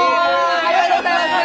ありがとうございます！